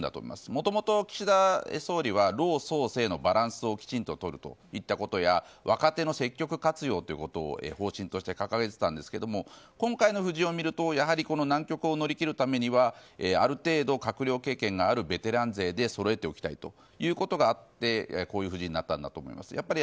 もともと岸田総理は老壮青のバランスをきちんととるといったことや若手の積極的活用を方針として掲げてたんですけども今回の布陣を見るとこの難局を乗り切るためにはある程度、閣僚経験があるベテラン勢でそろえておきたいということがあってこういう布陣になったんだと思います。